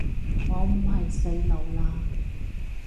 我唔係細路喇